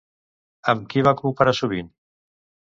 Amb qui va cooperar sovint?